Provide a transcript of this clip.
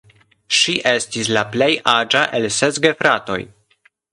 Ŝi estis la plej aĝa el ses gefratoj.